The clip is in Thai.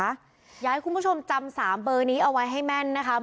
อยากให้คุณผู้ชมจำ๓เบอร์นี้เอาไว้ให้แม่นนะคะ